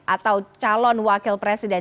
atau calon wakil presiden